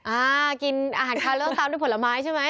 อ่ากินอาหารคาเริ่มตามด้วยผลไม้ใช่ไหม